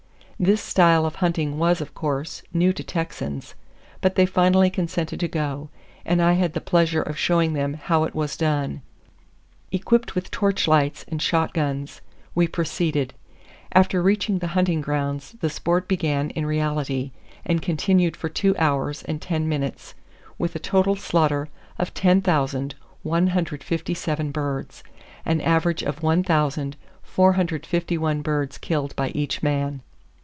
This style of hunting was, of course, new to the Texans, but they finally consented to go, and I had the pleasure of showing them how it was done. Equipped with torch lights and shot guns, we proceeded. After reaching the hunting grounds the sport began in reality, and continued for two hours and ten minutes, with a total slaughter of 10,157 birds, an average of 1,451 birds killed by each man.